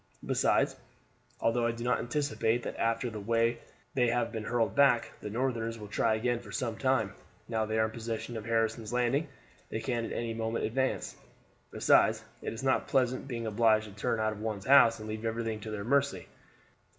Besides, although I do not anticipate that after the way they have been hurled back the Northerners will try again for some time, now they are in possession of Harrison's Landing they can at any moment advance. Besides, it is not pleasant being obliged to turn out of one's house and leave everything to their mercy.